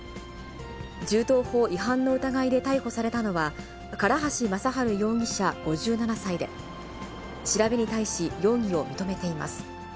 銃刀法違反の疑いで逮捕されたのは、唐橋政春容疑者５７歳で、調べに対し、容疑を認めています。